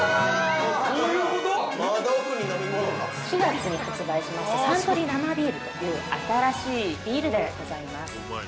４月に発売しました、サントリー生ビールという新しいビールでございます。